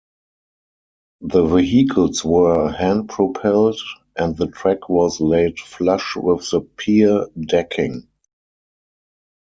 The vehicles were hand-propelled, and the track was laid flush with the pier decking.